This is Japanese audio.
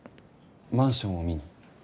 マンションを見に？